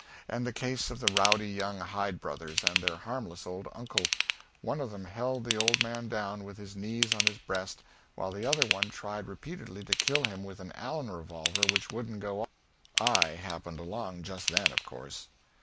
And the case of the rowdy young Hyde brothers and their harmless old uncle: one of them held the old man down with his knees on his breast while the other one tried repeatedly to kill him with an Allen revolver which wouldn't go off. I happened along just then, of course.